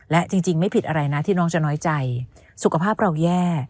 และจริงไม่ผิดอะไรนะที่น้องจะน้อยใจสุขภาพเราแย่